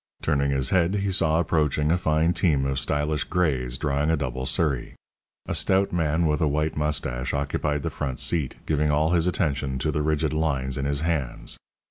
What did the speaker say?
Turning his head, he saw approaching a fine team of stylish grays drawing a double surrey. A stout man with a white moustache occupied the front seat, giving all his attention to the rigid lines in his hands.